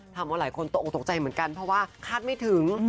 ทำเอาหลายคนตกออกตกใจเหมือนกันเพราะว่าคาดไม่ถึง